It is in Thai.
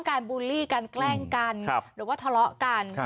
บูลลี่กันแกล้งกันหรือว่าทะเลาะกัน